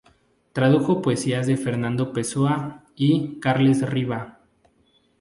Tradujo poesías de Fernando Pessoa y Carles Riba.